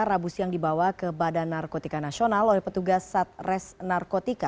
rabu siang dibawa ke badan narkotika nasional oleh petugas satres narkotika